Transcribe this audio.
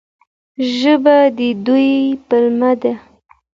ژبه د دوی پلمه ده.